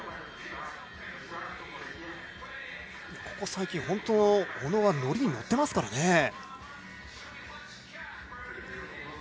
ここ最近、小野は本当にノリに乗っていますからね。